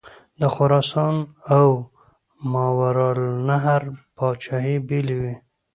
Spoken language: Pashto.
د خراسان او ماوراءالنهر پاچهي بېلې وې.